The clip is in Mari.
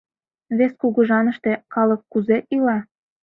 Вес кугыжаныште калык кузе ила?